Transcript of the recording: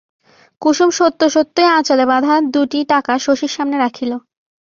কুসুম সত্য সত্যই আঁচলে বাধা দুটি টাকা শশীর সামনে রাখিল।